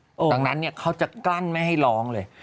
ดังนั้นเนี่ยเขาจะกลั้นไม่ให้ร้องเลย